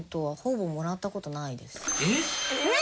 えっ！？